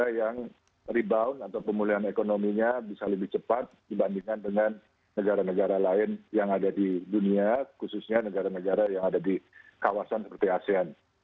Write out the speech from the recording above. tapi kita juga sangat berkembang ketika kita mencari pemulihan ekonominya bisa lebih cepat dibandingkan dengan negara negara lain yang ada di dunia khususnya negara negara yang ada di kawasan seperti asean